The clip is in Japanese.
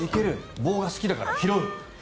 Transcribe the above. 棒が好きだから拾う。